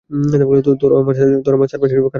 তোরা আমার সারপ্রাইজ খারাপ করছিস।